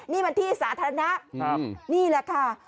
นี่มันที่สาธารณะนี่แหละค่ะ